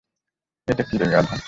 এটা কি রে গাধা?